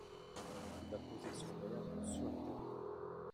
Il va poser son verre sur la table.